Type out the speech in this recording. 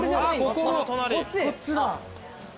こっちだ。